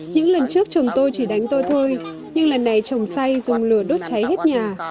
những lần trước chồng tôi chỉ đánh tôi thôi nhưng lần này trồng say dùng lửa đốt cháy hết nhà